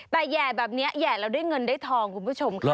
แต่แห่แบบนี้แห่แล้วได้เงินได้ทองคุณผู้ชมค่ะ